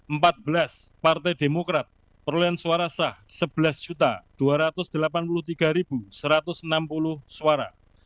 empat belas partai demokrat perolehan suara sah sebelas dua ratus delapan puluh tiga satu ratus enam puluh suara